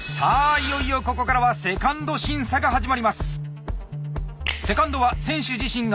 いよいよここからは２ｎｄ審査が始まります。